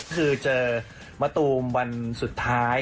คือเจอมะตูมวันสุดท้าย